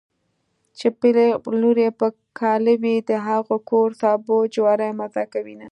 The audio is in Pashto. چې پېغله لور يې په کاله وي د هغه کور سابه جواری مزه کوينه